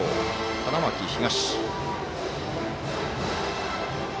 花巻東。